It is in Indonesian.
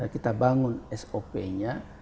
kita bangun sop nya